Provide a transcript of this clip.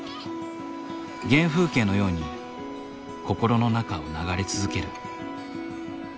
原風景のように心の中を流れ続ける。